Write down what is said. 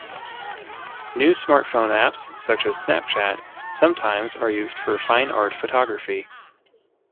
New smartphone apps such as Snapchat sometimes are used for fine-art photography.